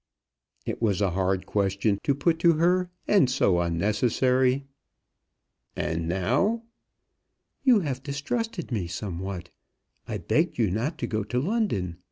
It was a hard question to put to her, and so unnecessary! "And now?" "You have distrusted me somewhat. I begged you not to go to London.